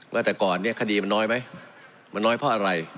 ว่าแต่ก่อนเนี่ยคดีมันน้อยไหมมันน้อยเพราะอะไร